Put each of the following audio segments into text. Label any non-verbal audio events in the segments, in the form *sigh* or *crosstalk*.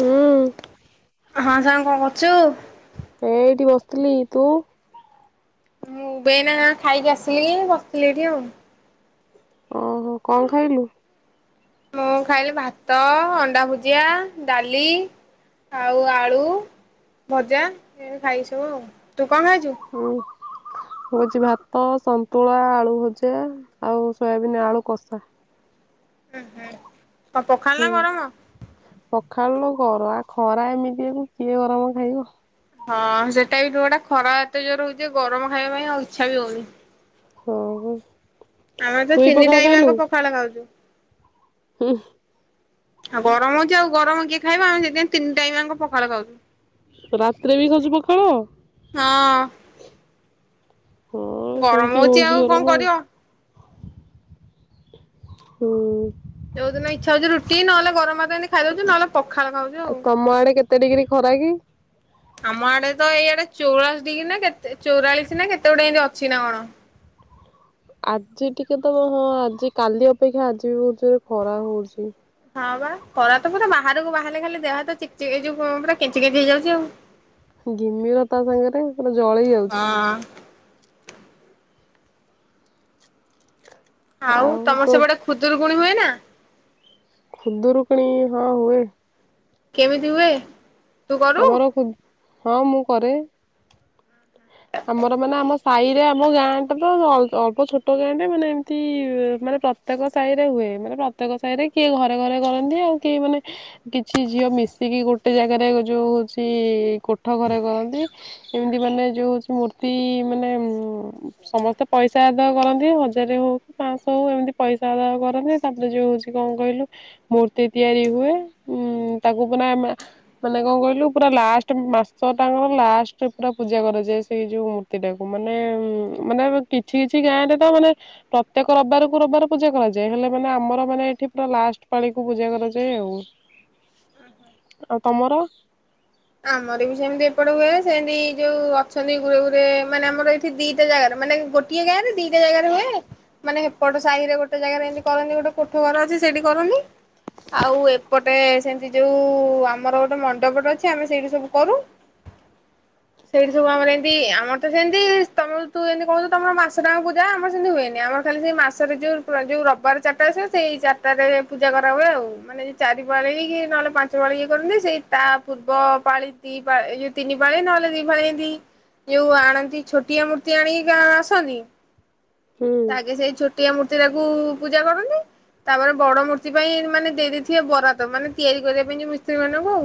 ହୁଁ ହଁ ସାଙ୍ଗ କଣ କରୁଛୁ? ହେ ଏଠି ବସିଥିଲି ତୁ? ମୁଁ ବେନା ଖାଇକି ଆସିଲି ବସିଥିଲି ଏଠି ଆଉ। ଓହୋ କଣ ଖାଇଲୁ? ମୁଁ ଖାଇଲି ଭାତ ଅଣ୍ଡା ଭୁଜିଆ ଡାଲି। ଆଉ ଆଳୁ ଭଜା ଏମିତି ଖାଇଲି ସବୁ ଆଉ ତୁ କଣ ଖାଇଛୁ? ହଁ ମୁ ହଉଛି ଭାତ ସନ୍ତୁଳା ଆଳୁ ଭଜା ଆଉ ସୋୟାବିନ୍ ଆଳୁ କଷା। ହୁଁ ହୁଁ କଣ ପଖାଳ ହୁଁ। ନା ଗରମ? ପଖାଳ ଗର ଆ ଖରା ଏମିତିକୁ କିଏ ଗରମ ଖାଇବ। ହଁ ସେଟା ବି ତୁ ଗୋଟେ ଖରା ଏତେ ଜୋର ହଉଛି ଗରମ ଖାଇବା ପାଇଁ ଆଉ ଇଚ୍ଛା ବି ହଉନି। ହଁ ଆମେ ତ ତୁ ବି ତିନି ପଖାଳ ଟାଇମ ଖାଇଲୁ ଆଙ୍କ ପଖାଳ ଖାଉଛୁ ଆଉ ଗରମ ଆଉ ଗରମ କିଏ ଖାଇବ ଆମେ ସେଥିପାଇ ତିନି ଟାଇମ ଆଙ୍କ ପଖାଳ ଖାଉଛୁ। ରାତିରେ ବି ଖାଉଛି ପଖାଳ? ହଁ ହଁ ଗରମ ସେମିତି ହଉଛି କଣ ଗରମ ଆଉ। କରିବ। ହୁ। ଯୋଉିଦିନ ଇଚ୍ଛା ହେଉଛି ରୁଟି ନହଲେ ଗରମ ଭାତ ଏମିତି ଖାଇ ଦଉଛି ନହେଲେ ପଖାଳ ଖାଉଛି। ଆଉ ତମ ଆଡେ କେତେ ଡିଗ୍ରୀ ଖରା କି? ଆମ ଆଡେ ତ ଏଇଆଡେ ଚଉରାଳିଶ ଡିଗ୍ରୀ ନା କେତେ ଚଉରାଳିଶ ନା କେତେ ଗୋଟେ ଏମତି ଅଛି ନା କଣ। ଆଜି ଟିକେ ତ ହଁ ଆଜି କାଲି ଅପେକ୍ଷା ଆଜି ବି ବହୁ ଜୋରରେ ଖରା ହଉଛି। ହଁ ବା ଖରା ତ ପୁରା ବାହାରୁକୁ ବାହାରିଲେ ଖାଲି ଦେହ ହାତ ଖାଲି କେଞ୍ଚିିକେଞ୍ଚି ହେଇଯାଉଛି ଆଉ। ହଁ *unintelligible* ଘିମିର ତା ସାଙ୍ଗରେ ପୁରା ଜଲୋଇ ଯାଉଛି। ହଁ। ଆଉ ତମ ସେ ପଟେ ଖୁଦୁୁରୁକୁଣିହୁଏ ନା? ଖୁଦୁରୁକୁଣି ହଁ ହୁଏ। କେମିତି ହୁଏ? ତୁ କରୁ? ଆମର ଖୁବ୍ ହଁ ମୁଁ କରେ। ହଁ ହଁ। ଆମର ମାନେ ଆମ ସାହି ରେ ଆମ ଗାଁ ଟ ତ ଅଳ୍ପ ଛୋଟ ଗାଁ ଟେତ ମାନେ ଏମିତି ମାନେ ପ୍ର ପ୍ରତ୍ୟେକ ସାହି ରେ ହୁଏ ମାନେ ପ୍ରତ୍ୟେକ ସାହି ରେ କିଏ ଘରେ ଘରେ କରନ୍ତି ଆଉ କିଏ ମାନେ କିଛି ଝିଅ ମିଶିକି ଗୋଟେ ଜାଗାରେ ଯୋଉ ଅଛି କୋଠ ଘରେ କରନ୍ତି। ଏମିତି ମାନେ ଯୋଉ ମୂର୍ତ୍ତି ମାନେ ସମସ୍ତେ ପଇସା ଆଦୟକରନ୍ତି ହଜାରେ ହଉ ପାଶହ ହଉ ଏମିତି ପଇସା ଆଦାୟ କରନ୍ତି ତାପରେ ଯଉ ସେ କଣ କହିଲୁ ମୂର୍ତ୍ତି ତିଆରି ହୁଏ ଉଁ ତାକୁ ମାନେ ଆମେ ମାନେ କଣ କହିଲୁ ପୁରା ଲାଷ୍ଟ ମାସ ଟାଙ୍କର ଲାଷ୍ଟ ପୁରା ପୂଜା କରାଯାଏ ସେଇ ଯୋଉ ମୂର୍ତ୍ତ। ଟାକୁ ମାନେ ମାନେ କିଛି କିଛି ଗାଁରେ ତ ମାନେ ପ୍ରତ୍ୟେକ ରବିବାର କୁରବିବାର ପୂଜା କରାଯାଏ ହେଲେ ମାନେ ଆମର ମାନେ ଏଠି ପୁରା ଲାଷ୍ଟ ପାଳିକୁପୂଜା କରାଯାଏ ଆଉ। ଆଉ ତମର? ଆମର ବି ସେମିତି ଏପଟେ ହୁଏ ସେମିତି ଯୋଉ ଅଛନ୍ତି ଗୁରେ ଗୁରେମାନେ ଆମର ଏଇଠି ଦିଟା ଜାଗାରେ ମାନେ ଗୋଟେ। ଗୋଟିଏ ଗାଁ ରେଦିଟା ଦିଟା ଜାଗାରେ ହୁଏ। ମାନେ ହେପଟ ସାହି ରେ ଗୋଟେ ଜାଗାରେ ଏମିତି କରନ୍ତି ଗୋଟେ କୋଠ ଘର ଅଛି ସେଇଠି କରନ୍ତି। ଆଉ ଏପଟେ ସେମିତି ଯୋଉ ଆମର ଗୋଟେ ମଣ୍ଡପ ଟେ ଅଛି। ଆମେ ସେଇଠି ସବୁ କରୁ। ସେଇଠି ସବୁ ଆମର ଏମତି ଆମ ତ ସେମି ତମର ତୁ ଏମିତି କହୁଛୁ ତମର ମାସ ଟାଙ୍କ ପୂଜା ଆମର ସେମିତି ହୁଏନି ଆମର ଖାଲି ସେ ମାସରେ ଯୋଉ ଯୋଉ ରବିବାର ଚାରିଟା ଆସିବ ସେଇ ଚାରିଟାରେ ପୂଜା କରା ହଏ ଆଉ। ମାନେ ଚାରିପାଳି କି ନହେଲେ ପାଞ୍ଚ ଇଏ କରନ୍ତି ସେଇ ତା ପୂର୍ବ ପାଳି ଦି ପାଳି ତିନି ପାଳି ନହେଲେ ଦି ପାଳି ଏମିତି ଯୋଉ ଆଣନ୍ତି ଛୋଟିଆ ମୂର୍ତ୍ତି ଆଣିକି ଆସନ୍ତିି ହୁଁ ତାଆଗେ ସେଇ ଛୋ ଛୋଟିଆ ମୂର୍ତ୍ତି ଟାକୁ ପୂଜା କରନ୍ତି। ତାପରେ ବଡ ମୂର୍ତ୍ତି ପାଇଁ ମାନେ ଦେଇଦେଇଥିବେ ବରାଦ ମାନେ ତିଆରି କରିବା ପାଇଁ ଯୋ ମିସ୍ତ୍ରୀ ମାନଙ୍କୁ।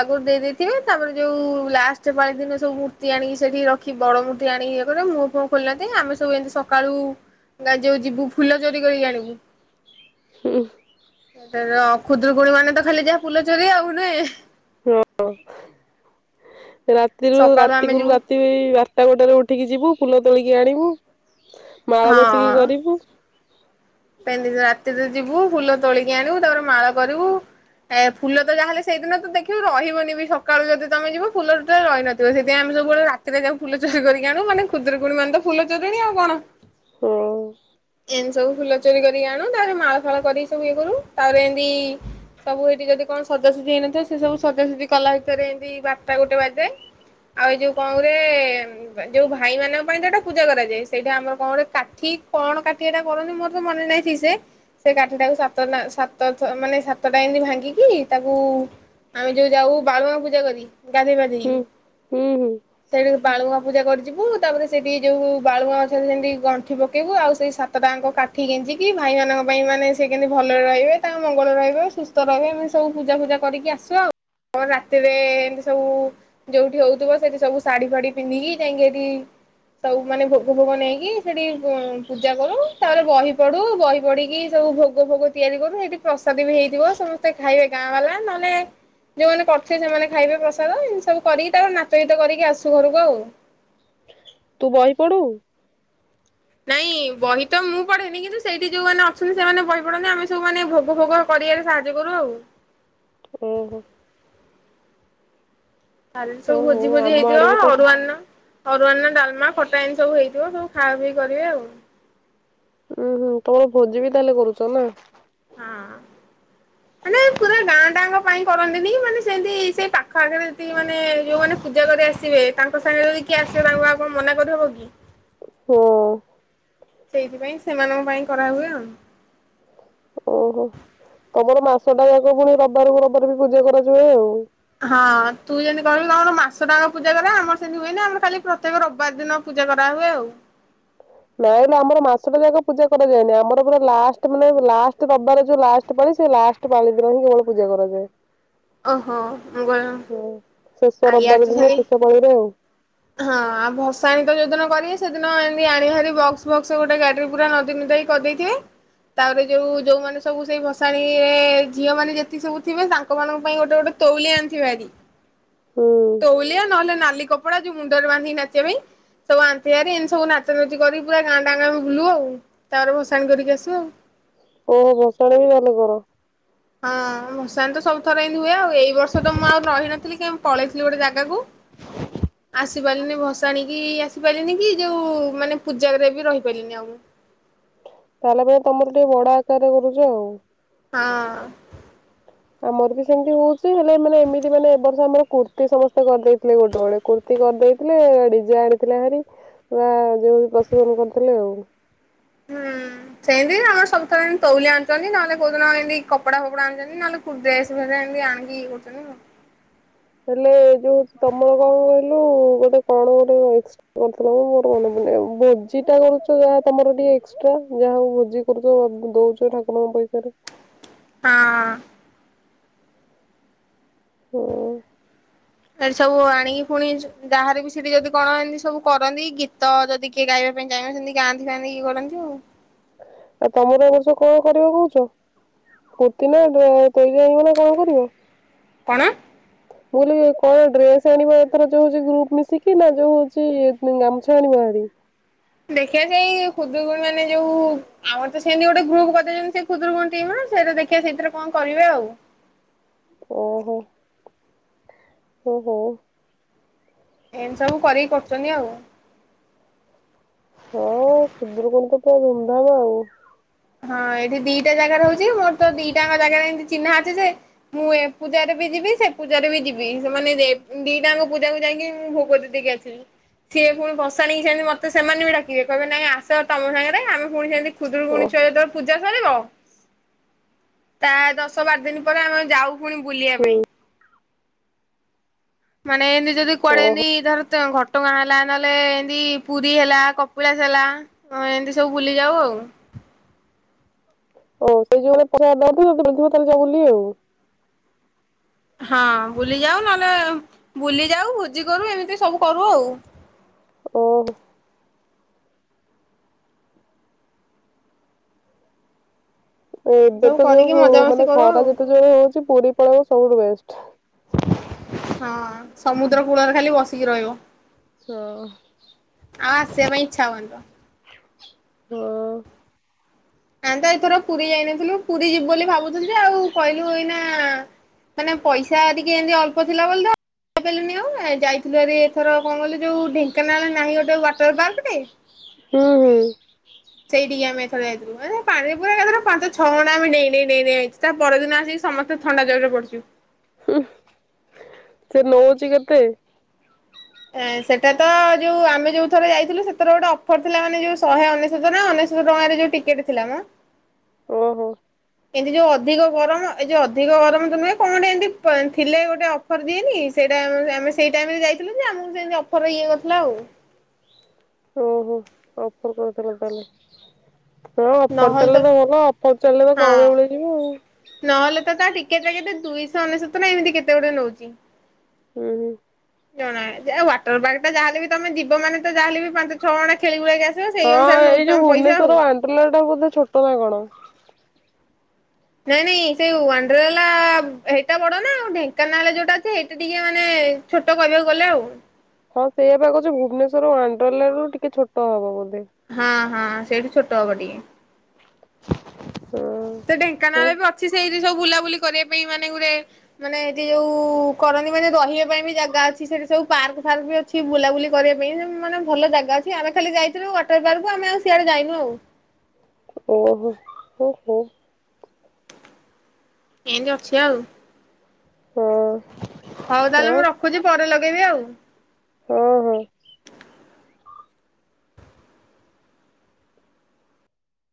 ଆଗରୁ ଦେଇେଇଥିବେ ତାପରେ ଯୋଉ ଲାଷ୍ଟ ପାଳି ଦିନ ସବୁ ମୂର୍ତ୍ତି ଆଣିକି ସେଠି ରଖି ବଡ ମୂର୍ତ୍ତି ଆଣି ଇଏ କରେ ମୂ କଣ ଖୋଲନାହାନ୍ତି ଆମେ ସବୁ ଏମତି ସକାଳୁ ଗାଏ ଯିବୁ ଯିବୁ ଫୁଲ ଚୋରି କରିକି ଆଣିବୁ। ହୁଁ। ତାର ଖୁଦୁରୁକୁଣିମାନେ ତ ଖାଲି ଯାହା ଫୁଲ ଚୋରି ଆଉ ନୁଇଁ ହଁ ରାତିରୁ ସକାଳୁ ଆମେ ରାତିକୁରୁ ଯିବୁ ରାତି ବା ବାରଟାଗୋଟରେ ଉଠିକି ଯିବୁ ଫୁଲ ତୋଳିକି ଆଣିବୁ ମାଳ ବସିକି ହଁ। କରିବୁ ରାତିରେ ଯିବୁ ଫୁଲ ତୋଳିକି ଆଣିବୁ ତାପରେ ମାଳା କରିବୁ। ଏ ଫୁଲ ତ ଯାହାେଲେ ସେଇଦିନ ତ ଦେଖିବୁ ରହିବନି ବି ସକାଳୁ ଯଦି ତମେ ଯିବ ଫୁଲୁ ଟେ ରହିନଥିବ ସେଥିପାଇଁଆମସବୁବେଳେ ରାତିରେ ଯଉଫୁଲ ଚୋରି କରିକି ଆଣୁ ଖୁବୁରୁକ୍ମଣୀମାନେଫୁଲ ଚୋରିୀଣି ଆଉ କଣ ହଁ ଏନ୍ ସବୁ ଫୁଲ ଚୋରି କରିକି ଆଣୁ ତାରେ ମାଳ ଫାଳ କରିକି ସବୁ ଇଏ କରୁ ତାପରେ ଏମତି ସବୁ ଏଇଠି ଯଦି କଣ ସଜା ସୁଜି ହେଇନଥିବ ସେ ସବୁ ସଜାସୁଜିକଲା ଭିତରେ ଏମିତି ବାରଟାଗୋଟେ ବାଜିଯାଏ। ଆଉ ଏଇ ଯୋଉ କଣଗୁରେ ଯୋଉ ଭାଇ ମାନଙ୍କ ପାଇଁ ଏଟାପୂଜା କରାଯାଏ ସେଇଟା ଆମର କଣକାଠି କଣ କାଠି ଏଟା କରନ୍ତି ମୋତେ ମୁଁ ମନେ ନାଇ ଥି ସେ ସେ କାଠିଟାକୁ ସାତନା ସାତଥ ମାନେ ସାତଟା ଏମିତି ଭାଙ୍ଗିକି ତାକୁ। ଆମେ ଯୋଉ ଯାଉ ବାଳୁଙ୍ଗା ପୂଜା କରି ଗାଧୋଇ ହୁଁ ପାଧେଇକି। ହୁଁ ହୁଁ ସେଇଠି ବାଳୁଗାଁ ପୂଜା କରିଯିବୁ ତାପରେ ସେଇଠି ଯୋଉ ବାଳୁଗାଁ ଗଛରେ ସେମିତି ଗଣ୍ଠି ପକେଇବୁ ଆଉ ସେଇ ସା ସାତଟାଯାଙ୍କ କଠ୍ କାଠି ଗେଞ୍ଜିକି ଭାଇମାନଙ୍କ ପାଇଁ ମାନେ ସେ କେମିତି ଭଲରେ ରହିବେ ତାଙ୍କ ମଙ୍ଗଳ ରହିବେ ସୁସ୍ଥ ରହିବେ ଆମେ ସବୁ ପୂଜା ଫୂଜା କରିକ ଆସୁ। ଶୁ ଆଉ ରାତିରେ ଏମିତି ସବୁ। ଯୋଉଠି ହୋଉଥୁବ ସେଠି ସବୁ ଶାଢୀ ଫାଢୀ ପିନ୍ଧିକି ଯାଇକି ହେଟି। ସବୁ ମାନେ ଭୋଗ ଫୋଗ ନେଇକି ସେଠି ପୂଜା କରୁ ତାପରେ। ବହି ପଢୁ ବହି ପଢିକି ସବୁ ଭୋଗ ଫୋଗ ତିଆରି କରୁ ସେଠି ପ୍ରସାଦ ବି ହେଇଥିବ ସମସ୍ତେ। କେତେ ଖାଇବେ ଗାଁ ବାଲା ନ ହେଲେ। ଯୋଉମାନେ କରୁଥିବେ ସେମାନେ ଖାଇବେ ପ୍ରସାଦ ଏମତି ସବୁ କରିକି ତା ପରେ ନାଚ ଗୀତ କରିକି ଆସୁ ଘରକୁ ଆଉ। ତୁ ବହି ପଢୁ? ନାଇଁ ବହି ତ ମୁଁ ପଢେନି କିନ୍ତୁ ସେଇଠି ଯୋଉମାନେ ଅଛନ୍ତି ସେମାନେ ବହି ପଢନ୍ତି ଆମେ ସବୁମାନେ ଭୋଗ ଫୋଗ କରିବାରେ ସାହାର୍ଯ୍ୟ କରୁ ଆଉ। ଉଁ ହୁଁ। କାଲି ସବୁ ହଁ ହଉ ଭୋଜି ଫୋଜି ଆମ ହେଇଥିବ ଆଡେ ବି ତ ଅରୁଆର୍ଣ୍ଣ। ଅରୁଆର୍ଣ୍ଣ ଡାଲମା ଖଟା ଏମିତି ସବୁ ହେଇଥିବ ସବୁ ଖାଆ ପିଇ କରିବେ ଆଉ। ଉୁଁ ହୁଁ ତମର ଭୋଜି ବି ତା ହେଲେ କରୁଚ ନା। ହଁ ମାନେ ପୁରା। ପୁରା ଗାଁ ଟାଙ୍କ ପାଇଁ କରନ୍ତିନେହିଁ ମାନେ ସେମିତି ସେଇ ପାଖ ଆଖରେ ଯେତିକି ମାନେ ଯୋଉ ମାନେ। ପୂଜା କରି ଆସିବେ ତାଙ୍କ ସାଙ୍ଗରେ ଯଦି କିଏ ଆସିବେ ତାଙ୍କୁ ଆଉ କଣ ମନା କରିହବ କି। ହୁଁ। ସେଇଥିପାଇଁ ସେମାନଙ୍କ ପାଇଁ କରାହୁଏ ଆଉ। ଓହୋ ତମର ମାସଟା ଯାକ ପୁଣି ରବାରକୁ ରବିବାରେ ବି ପୂଜା କରାଯାଏ ଆଉ। ହଁ ତୁ ଯେମିତି କହିଲୁ ତମର ମାସଟାଆଙ୍କ ପୂଜା କରାଯାଏ ଆମର ସେମିତି ହୁଏନା ଆମର ଖାଲି ପ୍ରତ୍ୟେକ ରବିବାର ଦିନ। ପୂଜା କରାହୁଏ ଆଉ। ନାଇଁ ନାଇଁ ଆମର ମାସଟା ଯାକ ପୂଜା କରାଯାଏନି ଆମର ପୁରା ଲାଷ୍ଟେ ମାନେ ଲାଷ୍ଟେ ରବବାରେ ଯୋଉ ଲାଷ୍ଟେ ପାଳି ସେ ଲାଷ୍ଟ୍। ତ ପାଳି ଦିନ ହିଁ କେବଳ ପୂଜା କରାଯାଏ। ଓହୋ। କହିଲି ଉଁ ଆ ଶେଷ ୟାର ତ ରବିବାର ଦିନ ସେମିତି ଶେଷ ପାଳିରେ ଆଉ। ହଁ ଆଉ ଭସାଣୀ ତ ଯୋଉଦିନ କରିବେ ସେଦିନ ଏମିତି ଆଣିବେ ଧରିକି ବକ୍ସ୍ ଫକ୍ସ୍ ଗୋଟେ ଗାଡିରେ ପୁରା ନଦୀ ନୁଦା କି। କରିଦେଇ ଥିବେ। ତାପରେ ଯୋଉ ଯୋଉମାନେ ସବୁ ସେଇ ଭସାଣି ରେ ଝିଅ ମାନେ ଯେତିକି ସବୁ ଥିବେ ତାଙ୍କ ମାନଙ୍କ ପାଇଁ ଗୋଟେ ଗୋଟେ ତୈଲିଆ ଆଣିଥିବେ ବାହାରି। ହୁଁ। ତୈଲିଆ ନହେଲେ ନାଲି କପଡା ଯୋଉ ମୁଣ୍ଡରେ ବାନ୍ଧିକି ନାଚିବା ପାଇଁ। ସବୁ ଆଣିଥିବେ ଭାରି ଏମିତି ସବୁ ନାଚ ଫାଚ କରି ପୁରା ଗାଁ ଟା ବୁଲୁ ଆଉ ତାପରେ ଭସାଣି କରିକି ଆସୁ ଆଉ। ଓୋହ ଭସାଣି ବି ଭଲ କର। ହଁ ଭସାଣି ତ ସବୁ ଥର ଏମିତି ହୁଏ ଆଉ ଏଇ ବର୍ଷ ତ ମୁଁ ଆଉ ରହିନଥିଲି କେ ପଳେଇଥିଲି ଗୋଟେ ଜାଗାକୁ। *unintelligible* ଆସିପାଇଲିନି ଭସାଣିକି ଆସିପାଇଲିନି କି ଯୋଉ ମାନେ ପୂଜାରେ ବି ରହିପାଇଲିନି ଆଉ। ତାହେଲେ ଏବେ ତମର ଟିକେ ବଡ ଆକାରରେ କରୁଚ ଆଉ। ହଁ। ଆମର ବି ସେମିତି ହଉଛି ହେଲେ ମାନେ ଏମିତି ମାନେ ଏ ବର୍ଷ ଆମର କୁର୍ତ୍ତି ସମସ୍ତେ କରି ଦେଇଥିଲେ ଗୋଟେ ଗୋଟେ କୁର୍। କୁର୍ତ୍ତି କରି ଦେଇଥିଲେ ଡିଜେ ଆଣିଥିଲେ ଭାରି ବା ଯୋଉ ପ୍ରଶେସନ୍ କରୁଥୁଲେ ଆଉ। ହୁଁ ସେମିତି ଆମର ସବୁଥର ତୈଉଲିଆ ଆଣିୁଚନ୍ତି ନହେଲେ କୋଉଦିନ ଏମିତି କପଡା ଫପଡା ଆଣିୁଚନ୍ତି ନହେଲେ। ଡେସ୍ ଫେସ୍ ଏନ୍ତି ଆଣିକିି ଇଏ କରୁଚନ୍ତି। ହେଲେ ଯୋଉ ତମର କଁ କହିଲୁ ଗୋଟେ କଣ ଗୋଟେ ଏକ୍ସ ଅଥୁଲା ମ ମୋର ମନେ ପଡୁନି ଆଉ ଭୋଜିଟା କରୁଚ ଯାହା ତମର ଟିକେ ଏକ୍ସଟ୍ରା ଯାହା ହଉ ଭୋଜି କରୁଚ ଆ ଦୋଉଚ ଠାକୁରଙ୍କ ପଇସାରେ। ହଁ। ହୁଁ। ଆରେ ସବୁ ଆଣିକି ଫୁଣି ଯୁ ଯାହାର ବି ସେଠି ଯଦି କଣ ଏନ୍ତି ସବୁ କରନ୍ତି ଗୀତ ଯଦି କିଏ ଗାଇବା ପାଇଁ ଚାହିଁବେ ସେମତି ଗାଆନ୍ତି ଫାଆନ୍ତି ଇଏ କରନ୍ତି ଆଉ। ଆଉ ତମର ଏ ବର୍ଷ କଣ କରିବ କହୁଚ? ଫୁର୍ତି ନାଁ ଡ୍ରେ ତୋଇ ଯାଇବ ନା କଣ କରିବ? କଣ? ମୁଁ ଅଲି କଣ ଡ୍ରେସ ଆଣିବ ଏଥର ଯୋଉ ହଉଚି ଗ୍ରୁପ ମିଶିକି ନାଁ ଯୋଉ ହଉଚି ଗାମୁଛା ଆଣିବ ହାରି? ଦେଖିବା ସେଇ ଖୁଦୁରୁକୁଣୀ ମାନେ ଯୋଉ ଆମର ତ ସେନ୍ତି ଗୋଟେ ଗ୍ରୁପ କରଦେଇଚନ୍ତି ସେ ଖୁଦୁରୁକୁଣୀ ଟିମ୍ ରେ ସେଇଟା ଦେଖିଆ ସେଇଥିରେ କଁ କରିବେ ଆଉ। ଓହୋ। ଓହୋ। ଏନ୍ତି ସବୁ କରି କରୁଚନ୍ତି ଆଉ। ହଁ ଖୁଦୁରୁକୁଣୀ ତ ପୁରା ଧୁମଧାମ ଆଉ। ହଁ ଏଠି ଦିଟା ଜାଗା ରହୁଚି ମୋର ତ ଦିଟା ଆଙ୍କ ଜାଗାରେ ଏନ୍ତି ଚିହ୍ନା ଅଛି ଯେ ମୁଁ ଏ ପୂଜାରେ ବି ଯିବି ସେ ପୂଜାରେ ବି ଯିବି ସେମାନେ ଦେ ଦିଟା ଆଙ୍କ ପୂଜାକୁ ଯାଇକି ମୁଁ ଭୋଗ ଦେ ଦେଇକି ଆସିବି। ସିଏ ଫୁଣି ଭସାଣି କି ସେମିତି ମତେ ସେମାନେ ବି ଡାକିବେ କହିବେ ନାଇଁ ଆସ ତମ ସାଙ୍ଗରେ ଆମେ ଫୁଣି ସେମିତି ଓ ଖୁଦୁରୁୁକୁଣୀ ପୂଜା ସରିବ ତା ଦଶ ବାର ଦିନ ପରେ ଆମେ ଯାଉ ପୁଣି ବୁଲିବା ହୁଁ ପାଇଁ। ମାନେ ଏନ୍ତି ଯଦି କୁଆଡ଼େ ଏନ୍ତି ଓହୋ ଧର ତ ଘ ଟଗାଁ ହେଲା ନହେଲେ ଏନ୍ତି ପୁରୀ ହେଲା କପିଳାସ ହେଲା ଅ ଏନ୍ତି ସବୁ ବୁଲି ଯାଉ ଆଉ। ଓ ସେଇ ଯୁଗରେ ପଇସା ଦଉଥୁଲୁ *unintelligible* କାଲି ଯା ବୁଲି ଆଉ। ହଁ ବୁଲି ଯାଉ ନହେଲେ ବୁଲି ଯାଉ ଭୋଜି କରୁ ଏମିତି ସବୁ କରୁ ଆଉ। ଓହୋ। ଏମିତି ଏବେ ସବୁ ତ କରିକି ଯୋଉ ମଜାମସ୍ତି ମାନେ କରୁ ଖରା ଆଉ। ଯେତେ ଜୋରେ ହଉଚି ପୁରୀ ପଲେଇବ ସବୁଠୁ ବେଷ୍ଟ। ହଁ ସମୁଦ୍ର କୂଳରେ ଖାଲି ବସିକି ରହିବ। ହଁ। ଆଉ ଆସିବା ପାଇଁ ଇଚ୍ଛା ହବନି ତ। ହଁ ଆନ୍ତ ଏଇଥର ପୁରୀ ଯାଇନଥିଲୁ ପୁରୀ ଯିବୁ ବୋଲି ଭାବୁଥୁଲୁ ଯେ ଆଉ କଇଲୁ ଏଇନା ମାନେ ପଇସା ଟିକେ ଏନ୍ତି ଅଳ୍ପ ଥିଲା ବୋଲି ତ ଅପେଲିନି ଆଉ ଏ ଯାଇଥିଲୁ ହାରି ଏଥର କଁ କଇଲୁ ଯୋଉ ଢେଙ୍କାନାଳ ନାହିଁ ଗୋଟେ ୱାଟର ପାର୍କଟେ? ହୁଁ ହୁଁ। ସେଇଠିକି ଆମେ ଏଥର ଯାଇଥିଲୁ ଆଁ ତା ପାଣିରେ ପୁରା ଏକାଥରେ ପାଞ୍ଚ ଛଅ ଘଣ୍ଟା ଆମେ ଡେଇଁ ଡେଇଁ ଡେଇଁ ଡେଇଁ ଆଇଚୁ ତା ପରଦିନ ଆସି ସମସ୍ତେ ଥଣ୍ଡା ଜରରେ ପଡିଚୁ। ହୁଁ ସେ ନଉଚି କେତେ? ଏଁ ସେଟା ତ ଯୋଉ ଆମେ ଯୋଉ ଥର ଯାଇଥିଲୁ ସେଥର ଗୋଟେ ଅଫର ଥିଲା ମାନେ ଯୋଉ ଶହେ ଅନେଶୋତ ନା ଅନେଶୋତ ଟଙ୍କାରେ ଯୋଉ ଟିକେଟ ଥିଲା ମ। ଓହୋ ଏନ୍ତି ଯୋଉ ଅଧିକ ଗରମ ଏ ଯୋଉ ଅଧିକ ଗରମ ତ ନୁହେଁ କଁ ଗଟେ ଏନ୍ତି ପ ଥିଲେ ଗୋଟେ ଅ ଫର୍ ଦିଏନି ସେଇଟା ଆମେ ସେଇ ଟାଇମରେ ଯାଇଥିଲୁ ଯେ ଆମୁକୁ ସେନ୍ତି ଅଫର ଇଏ ଅଥିଲା ଆଉ। ଓହୋ ଅଫର କରଥିଲ ତାହଲେ ହଁ ଅଫର ଥିଲେ ତ ଭଲ ଅ ଫେରେ ଚାଲିଲେ କମରେ ମିଳିଯିବ ଆଉ। ନହେଲେତ ତାଟିକେଟଟା କେତେ ଦୁଇଶହ ଅନେଶତ ଏମିତି କେତ ଗୋଟେ ନଉଚି। ହୁଁ ହୁ। ଜଣାନାହିଁ ଯାହଉ ୱାଟର ପାର୍କଟା ଯାହାେଲେବି ତମେ ଯିବ ମାନେତ ଯାହାଲେବି ପାଞ୍ଚ ଛଅଘଣ୍ଟା ଖେଳି ଖୁଳାକି ଆସିବ ସେଇ ଅନୁସାରେ ନଉଚି ତମ ପଇସା ଆଉ। ପୋଲଟା ବୋଧେ ଛୋଟନା କଣ? ନାଇଁ ନାଇଁ ସେଇ ୱାଣ୍ଡରେଲା ହେଟା ବଡ଼ନା ଆଉ ଢେଙ୍କାନାଳ ଯୋଉଟା ଅଛି ହେଇଟା ଟିକେ ମାନେ ଛୋଟ କହିବାକୁ ଗଲେ ଆଉ। ହଁ ସେଇପା କଉଚି ଭୁବନେଶ୍ଵର ୱଣ୍ଡର୍ଲରୁ ଟିକେ ଛୋଟ ହବ ବୋଧେ। ହଁ ହଁ ସେଇଠି ଛୋଟ ହବ ଟିକେ। ହଁ। ତ ଓ ଢେଙ୍କାନାଳବି ଅଛି ସେଇରେ ସବୁ ବୁଲାବୁଲି କରିବା ପାଇଁ ମାନେ ଗୋଟେ ମାନେ ଏଠି ଯୋଉ କରନ୍ତି ମାନେ ରହିବା ପାଇଁବି ଜାଗା ଅଛି ସେଠି ସବୁ ପାର୍କ ଫାର୍କବି ଅ କିଛି ବୁଲାବୁଲି କରିବା ପାଇଁ ମାନେ ଭଲ ଜାଗା ଅଛି ଆମେ ଖାଲି ଯାଇଥିଲୁ ୱାଟର ପାର୍କକୁ ଆଉ ସିଆଡ଼େ ଯାଇନୁ ଆଉ। ଓହୋ ହୋ ହୋ। ଏମିତି ଅଛି ଆଉ। ହୁଁ। ହଉ ତାହେଲେ ମୁଁ ରଖୁଚି ପରେ ଲଗେଇବି ଆଉ। ହଁ ହଁ।